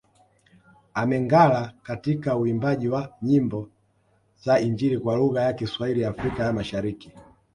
Amengara katika uimbaji wa nyimbo za Injili kwa lugha ya Kiswahili Afrika ya Mashariki